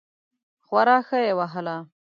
خورا ښه یې وهله.